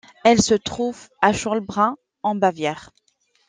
Elle se trouve à Schollbrunn en Bavière.